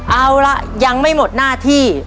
เอาละยังไม่หมดหน้าที่